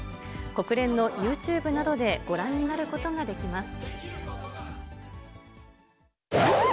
国連のユーチューブなどでご覧になることができます。